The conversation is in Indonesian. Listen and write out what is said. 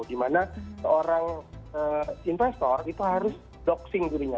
dimana seorang investor itu harus doxing dirinya